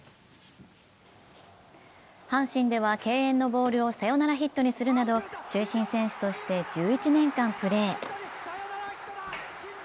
阪神では敬遠のボールをサヨナラヒットにするなど、中心選手として１１年間プレー。